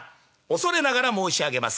『恐れながら申し上げます。